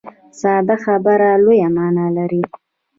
ساده خبره لویه معنا لري.